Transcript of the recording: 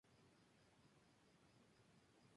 El primer galardonado con ese premio fue Rudolf Gelbard.